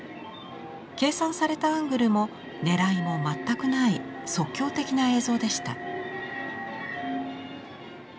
計算されたアングルもねらいも全くない即興的な映像でした。